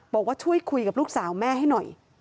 บอกว่าช่วยคุยกับลูกสาวแม่ให้หน่อย